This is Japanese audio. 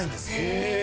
へえ。